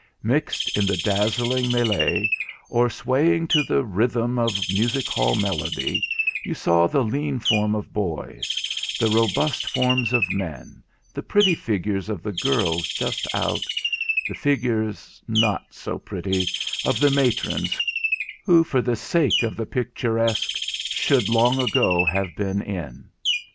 Mixed in the dazzling melée, or swaying to the rhythm of a music hall melody, you saw the lean form of boys; the robust forms of men; the pretty figures of the girls just out; the figures, not so pretty, of the matrons, who, for the sake of the picturesque, should long ago have been in.